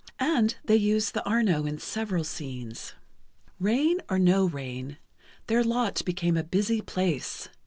And they used the Arno in several scenes. Rain or no rain, their lot became a busy place.